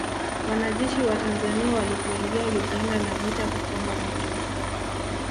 Wanajeshi wa Tanzania walipoingia Uganda na vita kupamba moto